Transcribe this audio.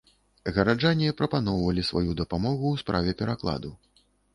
Гараджане прапаноўвалі сваю дапамогу ў справе перакладу.